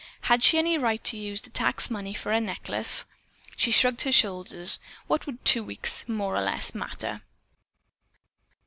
Had she any right to use the tax money for a necklace? She shrugged her shoulders. What would two weeks more or less matter?